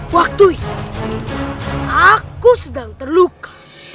waktu itu aku sedang terluka